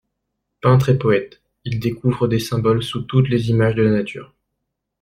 Peintre et poète, il découvre des symboles sous toutes les images de la nature.